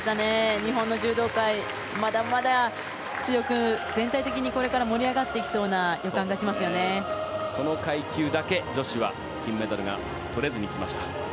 日本の柔道界は強くてこれから盛り上がっていきそうなこの階級だけ女子は金メダルがとれずにきました。